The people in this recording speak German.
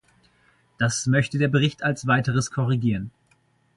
Das möchte der Bericht als weiteres korrigieren.